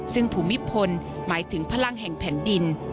ซึ่งภูมิพลหมายถึงพลังแห่งแผ่นดิน